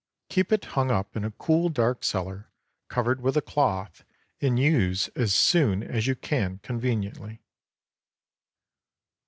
Keep it hung up in a cool, dark cellar, covered with a cloth, and use as soon as you can conveniently.